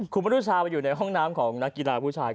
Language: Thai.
คุณมนุชาไปอยู่ในห้องน้ำของนักกีฬาผู้ชาย